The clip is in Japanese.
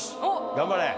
頑張れ。